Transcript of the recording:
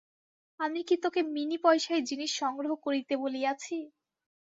আমি কি তোকে মিনি পয়সায় জিনিস সংগ্রহ করিতে বলিয়াছি?